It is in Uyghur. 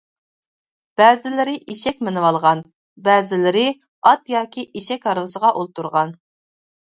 بەزىلىرى ئېشەك مىنىۋالغان، بەزىلىرى ئات ياكى ئېشەك ھارۋىسىغا ئولتۇرغان.